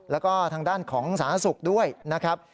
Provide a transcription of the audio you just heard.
แล้วก็ทางด้านของสาธารณสุขด้วยนะครับ